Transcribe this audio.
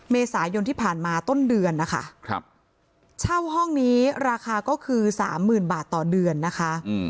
เมษายนที่ผ่านมาต้นเดือนนะคะเช่าห้องนี้ราคาก็คือ๓๐๐๐บาทต่อเดือนนะคะ